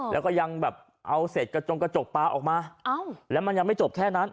แล้วก็ยังแบบเอาเศษกระจงกระจกปลาออกมาแล้วมันยังไม่จบแค่นั้น